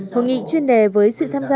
hội nghị chuyên đề với sự tham gia